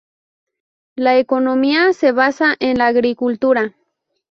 La economía se basa en la agricultura.